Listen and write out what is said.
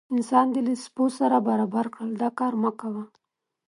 انسان دې له سپو سره برابر کړل دا کار مه کوه.